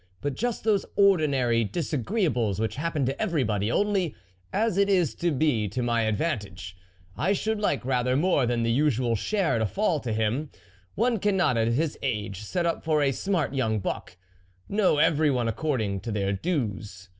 but just those ordinary dis agreeables which happen to everybody ; only, as it is to be to my advantage, I should like rather more than the usual share to fall to him ; one cannot at his age set up for a smart young buck ; no, every one according to their dues